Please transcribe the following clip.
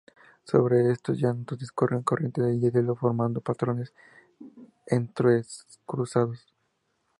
Sobre estos llanos discurren corrientes de deshielo formando patrones entrecruzados.